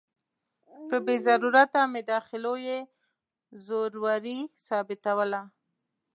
په بې ضرورته مداخلو یې زوروري ثابتوله.